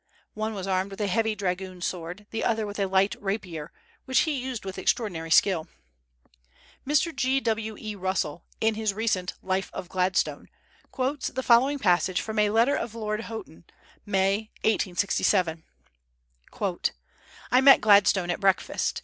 One was armed with a heavy dragoon sword; the other with a light rapier, which he used with extraordinary skill. Mr. G.W.E. Russell, in his recent "Life of Gladstone," quotes the following passage from a letter of Lord Houghton, May, 1867: "I met Gladstone at breakfast.